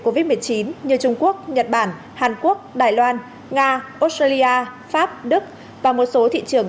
covid một mươi chín như trung quốc nhật bản hàn quốc đài loan nga australia pháp đức và một số thị trường